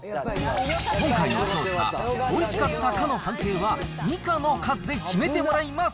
今回の調査、おいしかったかの判定は、ミカの数で決めてもらいます。